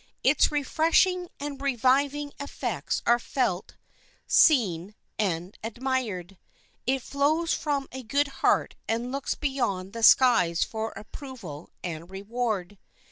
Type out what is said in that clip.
Its refreshing and revivifying effects are felt, seen, and admired. It flows from a good heart and looks beyond the skies for approval and reward.